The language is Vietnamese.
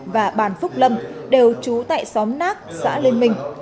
và bàn phúc lâm đều trú tại xóm nác xã liên minh